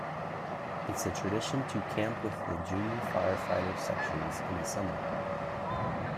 It's a tradition to camp with the junior firefighter sections in the summer.